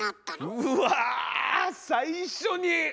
うわあ最初に。